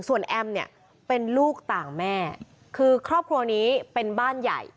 ส่วนแอมเนี่ยเป็นลูกต่างแม่คือครอบครัวนี้เป็นบ้านใหญ่